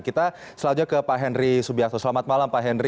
kita selanjutnya ke pak henry subiakto selamat malam pak henry